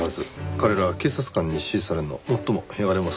彼らは警察官に指示されるの最も嫌がりますからね。